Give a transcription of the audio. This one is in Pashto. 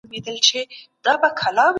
دا ټولي کیسې له مینې او درد څخه ډکې وې.